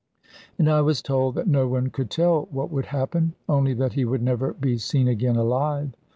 And I was told that no one could tell what would happen, only that he would never be seen again alive.